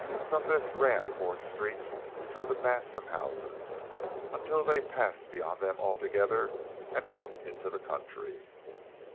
From this ran four streets through the mass of houses, until they passed beyond them altogether and out into the country.